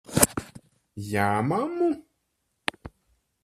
Jā, mammu?